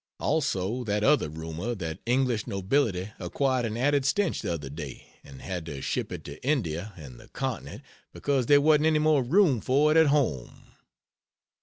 Also that other rumor that English nobility acquired an added stench the other day and had to ship it to India and the continent because there wasn't any more room for it at home?